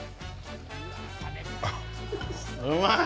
うまい！